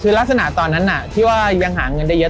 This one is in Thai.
คือลักษณะตอนนั้นที่ว่ายังหาเงินได้เยอะ